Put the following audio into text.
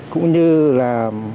cũng như là